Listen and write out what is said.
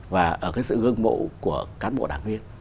và ở cái sự ước mộ của cán bộ đảng viên